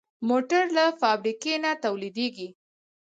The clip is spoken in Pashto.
موټر له فابریکې نه تولیدېږي.